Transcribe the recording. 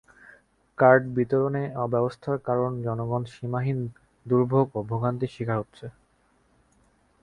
Card বিতরণে অব্যবস্থার কারণ জনগণ সীমাহীন দুর্ভোগ ও ভোগান্তির শিকার হচ্ছে।